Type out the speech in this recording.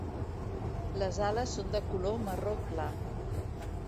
Les ales són de color marró clar.